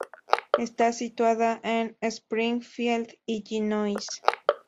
Está situada en Springfield, Illinois.